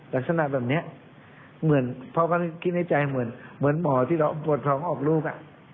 ลักษณะแบบนี้เหมือนพ่อก็คิดในใจเหมือนหมอที่เราปวดท้องออกลูก